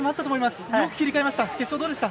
よく切り替えました。